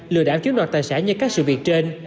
lừa đảo chiếm đoạt tài sản như các sự việc trên